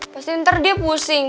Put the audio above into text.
pasti ntar dia pusing